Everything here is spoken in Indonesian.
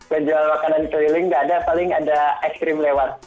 menjual makanan keliling nggak ada paling ada es krim lewat